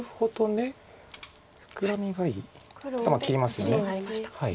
切りますよね。